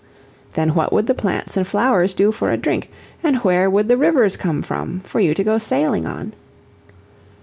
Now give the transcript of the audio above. "Then what would the plants and flowers do for a drink, and where would the rivers come from for you to go sailing on?"